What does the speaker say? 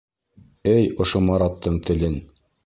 Эй, ошо Мараттың телен.